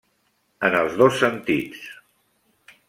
En els dos sentits.